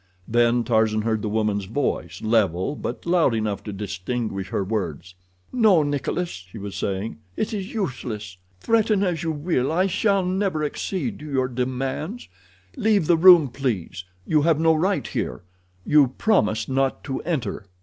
Then Tarzan heard the woman's voice, level, but loud enough to distinguish her words. "No, Nikolas," she was saying, "it is useless. Threaten as you will, I shall never accede to your demands. Leave the room, please; you have no right here. You promised not to enter."